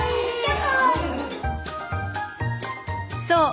そう！